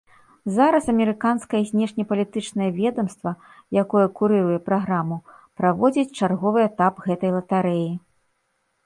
Зараз амерыканскае знешнепалітычнае ведамства, якое курыруе праграму, праводзіць чарговы этап гэтай латарэі.